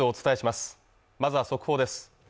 まずは速報です